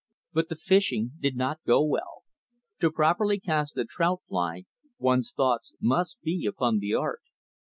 But the fishing did not go well. To properly cast a trout fly, one's thoughts must be upon the art.